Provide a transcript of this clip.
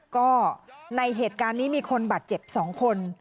ก็ในเหตุการณ์นี้มีคนบาดเจ็บ๒คน